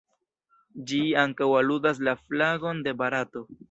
Ĝi ankaŭ aludas la flagon de Barato.